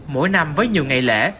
mỗi năm với nhiều ngày lễ